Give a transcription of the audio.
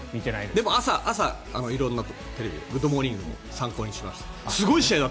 でも朝、色んなテレビで「グッド！モーニング」も参考にしました。